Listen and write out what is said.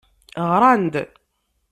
Ɣran-d.